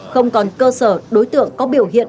không còn cơ sở đối tượng có biểu hiện